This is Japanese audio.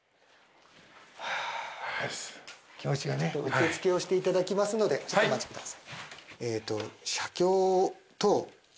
受け付けをしていただきますのでちょっとお待ちください。